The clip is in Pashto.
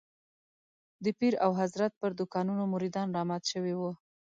د پیر او حضرت پر دوکانونو مريدان رامات شوي وو.